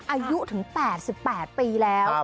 อายุถึง๘๘ปีแล้ว